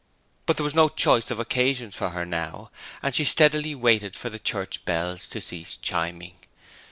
But there was no choice of occasions for her now, and she steadily waited for the church bells to cease chiming.